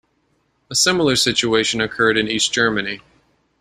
A similar situation occurred in East Germany.